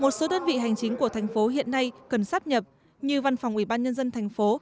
một số đơn vị hành chính của tp hiện nay cần sắp nhập như văn phòng ủy ban nhân dân tp